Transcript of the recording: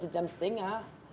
satu jam setengah